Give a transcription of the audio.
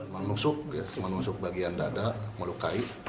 menusuk menusuk bagian dada melukai